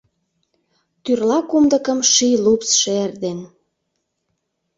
Тӱрла кумдыкым ший лупс шер ден.